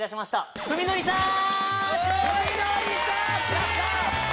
やったー！